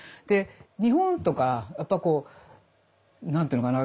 日本とかやっぱこう何て言うのかな